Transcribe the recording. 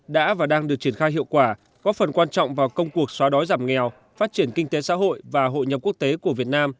đã và đang được triển khai hiệu quả có phần quan trọng vào công cuộc xóa đói giảm nghèo phát triển kinh tế xã hội và hội nhập quốc tế của việt nam